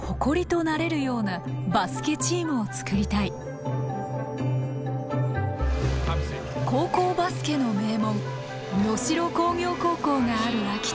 けど高校バスケの名門能代工業高校がある秋田。